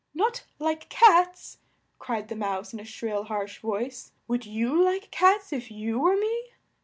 "Not like cats!" cried the Mouse in a shrill, harsh voice. "Would you like cats if you were me?"